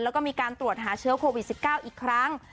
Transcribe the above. แล้วก็มีการตรวจหาเชื้อโควิด๑๙อีกครั้ง